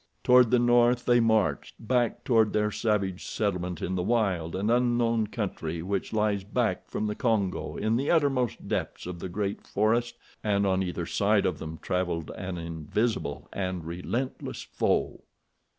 Toward the north they marched, back toward their savage settlement in the wild and unknown country which lies back from the Kongo in the uttermost depths of The Great Forest, and on either side of them traveled an invisible and relentless foe.